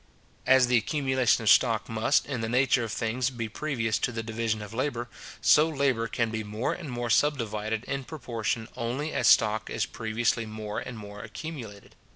As the accumulation of stock must, in the nature of things, be previous to the division of labour, so labour can be more and more subdivided in proportion only as stock is previously more and more accumulated.